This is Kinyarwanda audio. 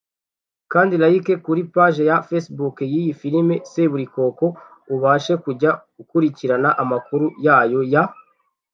Kanda Like kuri paje ya Fecebook y’iyi filime Seburikoko ubashe kujya ukurikirana amakuru yayo ya buri munsi